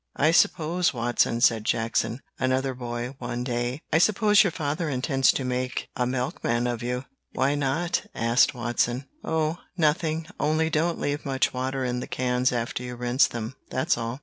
"I suppose, Watson," said Jackson, another boy, one day, "I suppose your father intends to make a milkman of you?" "Why not?" asked Watson. "O, nothing! Only don't leave much water in the cans after you rinse them, that's all."